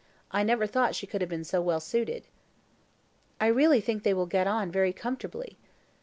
I never thought she could have been so well suited." "I really think they will get on very comfortably."